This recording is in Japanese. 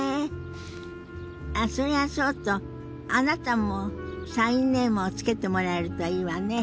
あっそれはそうとあなたもサインネームを付けてもらえるといいわね。